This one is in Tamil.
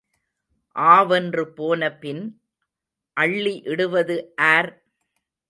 ஆவென்று போனபின் அள்ளி இடுவது ஆர்?